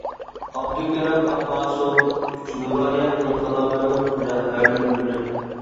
ئابدۇكېرىم ئابباسوف: ئۈچ ۋىلايەت ئىنقىلابىنىڭ رەھبەرلىرىدىن بىرى.